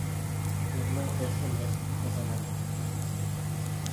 ยกเลิกเอสเอ็มเอสโฆษณา